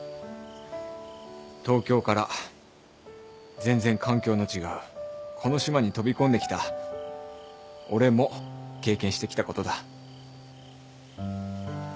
東京から全然環境の違うこの島に飛び込んできた俺も経験してきたことだ。